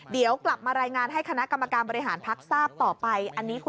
เดี๋ยวกลับมารายงานให้คณะกรรมการบริหารพักทราบต่อไป